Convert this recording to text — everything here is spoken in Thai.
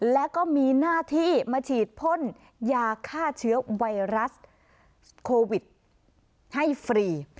และก็มีหน้าที่มาฉีดพ่นยาฆ่าเชื้อไวรัสโควิดให้ฟรี